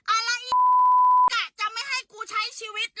อะละอี๋จะไม่ให้กูใช้ชีวิตเลย